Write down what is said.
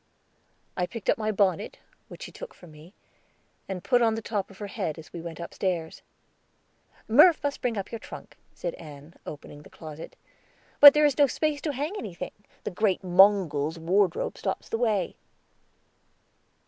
I picked up my bonnet, which she took from me, and put on the top of her head as we went upstairs. "Murph must bring up your trunk," said Ann, opening the closet. "But there is no space to hang anything; the great Mogul's wardrobe stops the way."